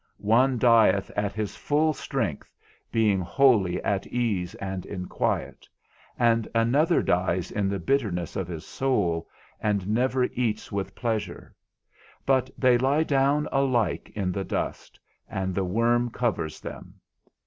_One dieth at his full strength, being wholly at ease and in quiet; and another dies in the bitterness of his soul, and never eats with pleasure_; but they lie down alike in the dust, and the worm covers them.